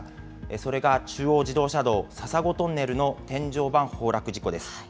それが中央自動車道笹子トンネルの天井板崩落事故です。